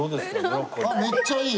めっちゃいい！